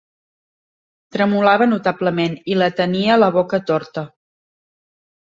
Tremolava notablement, i la tenia la boca torta.